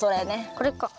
これか。